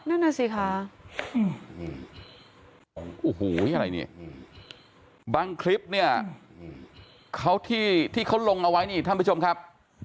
นั่นสิค่ะบางคลิปที่เขาลงเอาไว้นี่ท่านผู้ชมครับ